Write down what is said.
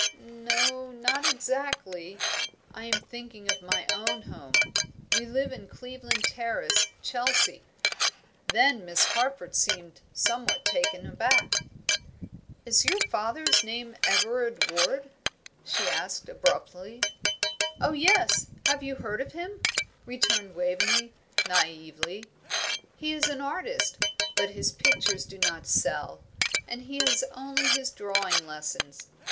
"No, not exactly. I am thinking of my own home. We live in Cleveland Terrace, Chelsea." Then Miss Harford seemed somewhat taken aback. "Is your father's name Everard Ward?" she asked, abruptly. "Oh, yes, have you heard of him?" returned Waveney, naively. "He is an artist, but his pictures do not sell, and he has only his drawing lessons.